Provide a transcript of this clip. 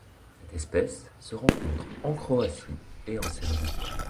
Cette espèce se rencontre en Croatie et en Serbie.